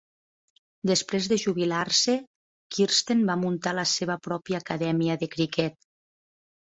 Després de jubilar-se, Kirsten va muntar la seva pròpia acadèmia de criquet.